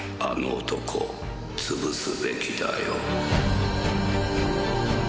あの男潰すべきだよ。